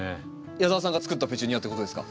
矢澤さんが作ったペチュニアっていうことですか？